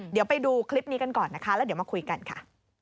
เดี๋ยวไปดูคลิปนี้กันก่อนนะคะแล้วเดี๋ยวมาคุยกันค่ะ